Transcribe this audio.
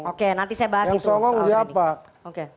oke nanti saya bahas itu soal trending